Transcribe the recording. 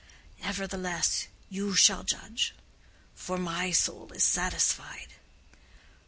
Nevertheless, you shall judge. For my soul is satisfied."